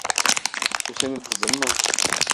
Bu senin kızın mı?